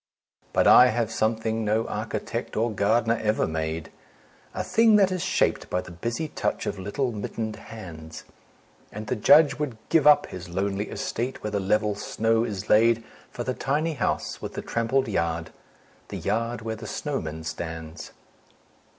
But I have something no architect or gardener ever made, A thing that is shaped by the busy touch of little mittened hands: And the Judge would give up his lonely estate, where the level snow is laid For the tiny house with the trampled yard, the yard where the snowman stands.